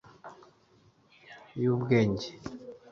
y'ubwenge